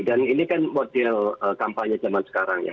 dan ini kan model kampanye zaman sekarang